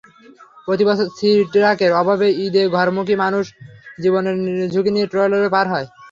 প্রতিবছর সি-ট্রাকের অভাবে ঈদে ঘরমুখী মানুষ জীবনের ঝুঁকি নিয়ে ট্রলারে পার হয়।